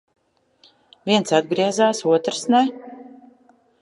Viens atgriezās, otrs ne.